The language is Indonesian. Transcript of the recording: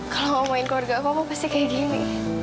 kalau ngomongin keluarga aku aku pasti kayak gini